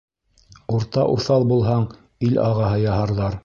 Урта уҫал булһаң, ил ағаһы яһарҙар.